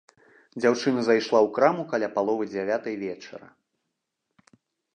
Дзяўчына зайшла ў краму каля паловы дзявятай вечара.